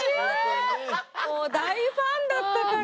もう大ファンだったから。